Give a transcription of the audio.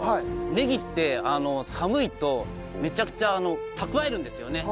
ねぎって寒いとめちゃくちゃ蓄えるんですよね栄養を。